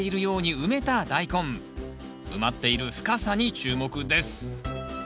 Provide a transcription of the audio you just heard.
埋まっている深さに注目です